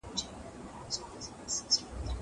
زه پرون سیر کوم.